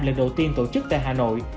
lần đầu tiên tổ chức tại hà nội